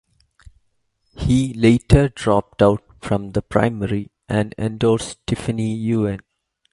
He later dropped out from the primary and endorsed Tiffany Yuen.